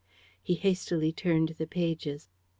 He hastily turned the pages.